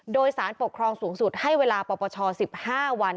โดยสารปกครองสูงสุดให้เวลาปปช๑๕วัน